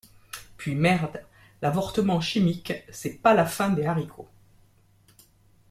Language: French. Puis merde, l’avortement chimique, c’est pas la fin des haricots!